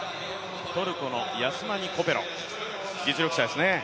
トルコのヤスマニ・コペロ、実力者ですね。